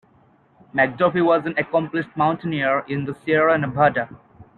McDuffie was an accomplished mountaineer in the Sierra Nevada.